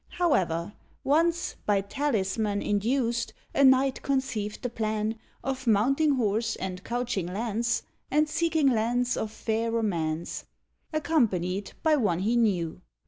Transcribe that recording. However, once, by Talisman Induced, a knight conceived the plan Of mounting horse and couching lance, And seeking lands of fair romance, Accompanied by one he knew.